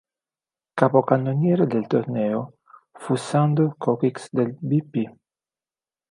Capocannoniere del torneo fu Sándor Kocsis del Bp.